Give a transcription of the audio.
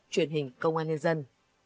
chuyển hình công an nhân dân